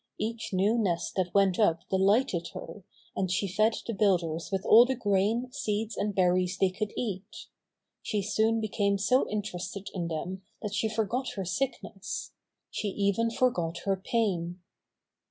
Each new nest that went up delighted her, and she fed the builders with all the grain, seeds and berries they could eat. She soon became so interested in them that she forgot her sickness. She even forgot her pain.